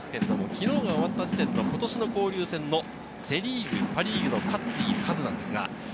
昨日が終わった時点で今年の交流戦のセ・リーグ、パ・リーグの勝っている数です。